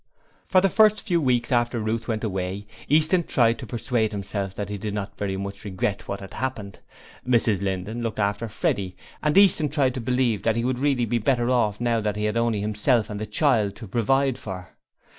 For the first few weeks after Ruth went away Easton tried to persuade himself that he did not very much regret what had happened. Mrs Linden looked after Freddie, and Easton tried to believe that he would really be better off now that he had only himself and the child to provide for.